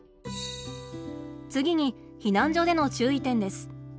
次に避難所での注意点です。